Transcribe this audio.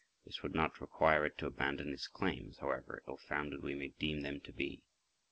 This would not require it to abandon its claims, however ill founded we may deem them to be.